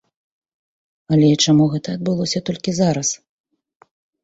Але чаму гэта адбылося толькі зараз?